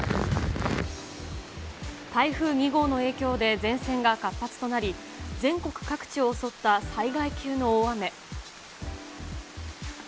台風２号の影響で前線が活発となり、全国各地を襲った災害級の大雨。